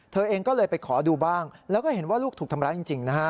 เธอเองก็เลยไปขอดูบ้างแล้วก็เห็นว่าลูกถูกทำร้ายจริงนะฮะ